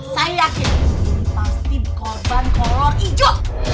saya yakin ini pasti korban kolor hijau